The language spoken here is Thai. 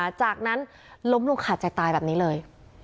แล้วมันก็ลุกถูกขัดย์ตายแบบนี้เลย